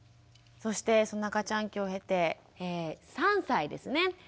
そしてその赤ちゃん期を経て３歳ですね。